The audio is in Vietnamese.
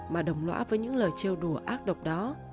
mà đồng lõa với những lời trêu đùa ác độc đó